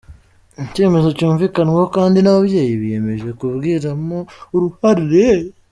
Icyemezo cyumvikanweho kandi n’ababyeyi biyemeje kubgiramo uruhare".